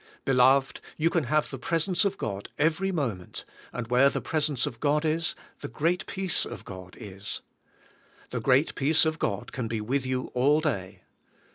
Beloved, you can have the presence of God every moment, and where the presence of God is the great peace of God is. The g reat peace of God can be with you all day.